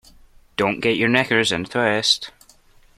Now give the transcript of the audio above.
Don't get your knickers in a twist